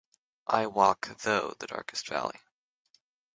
I walk though the darkest valley.